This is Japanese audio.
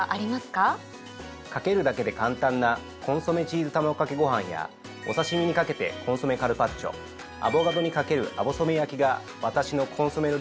かけるだけで簡単な「コンソメチーズ ＴＫＧ」やお刺身にかけて「コンソメカルパッチョ」アボカドにかける「アボソメ焼き」が私の「コンソメる」